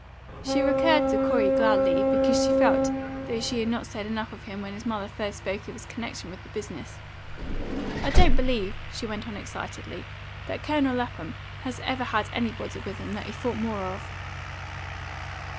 She recurred to Corey gladly because she felt that she had not said enough of him when his mother first spoke of his connection with the business. "I don't believe," she went on excitedly, "that Colonel Lapham has ever had anybody with him that he thought more of."